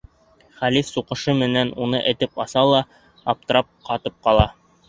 Хәлиф суҡышы менән уны этеп аса ла аптырап ҡатып ҡала.